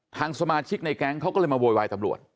ทางสมาชิกในแก๊งเขาก็เลยมาโวยวายตำรวจ